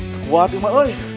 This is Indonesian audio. teruat nama uy